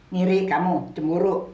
ngiri kamu cemburu